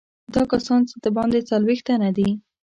دا کسان څه باندې څلوېښت تنه دي.